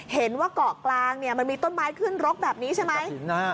เห็นว่าเกาะกลางเนี่ยมันมีต้นไม้ขึ้นรกแบบนี้ใช่ไหม